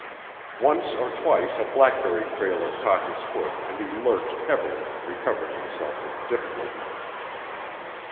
Once or twice a blackberry trailer caught his foot and he lurched heavily, recovering himself with difficulty.